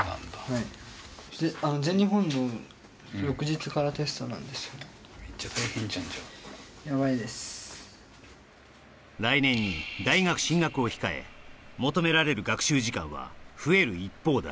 はいめっちゃ大変じゃんじゃあ来年に大学進学を控え求められる学習時間は増える一方だ